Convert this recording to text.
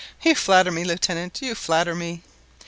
"You flatter me, Lieutenant; you flatter me."